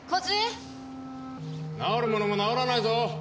治るものも治らないぞ！